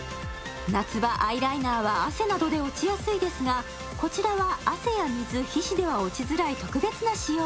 夏場、アイライナーは汗などで落ちやすいですがこちらは汗や水、皮脂では落ちづらい特別な仕様。